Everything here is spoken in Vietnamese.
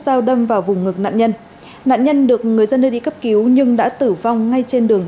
dao đâm vào vùng ngực nạn nhân nạn nhân được người dân nơi đi cấp cứu nhưng đã tử vong ngay trên đường